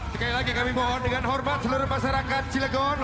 sekali lagi kami mohon dengan hormat seluruh masyarakat cilegon